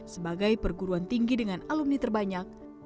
sebagai perguruan tinggi dengan alumni terbanyak